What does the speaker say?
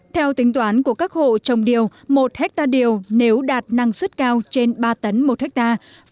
theo tính toán của các hộ trồng điều một hectare điều nếu đạt năng suất cao trên ba tấn một hectare